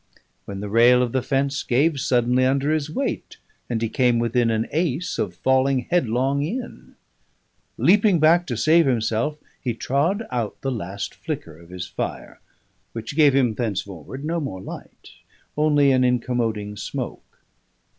when the rail of the fence gave suddenly under his weight, and he came within an ace of falling headlong in. Leaping back to save himself, he trod out the last flicker of his fire, which gave him thenceforward no more light, only an incommoding smoke.